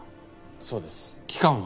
そうです。期間は？